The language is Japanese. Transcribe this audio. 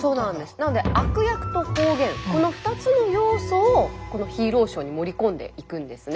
なので悪役と方言この２つの要素をこのヒーローショーに盛り込んでいくんですね。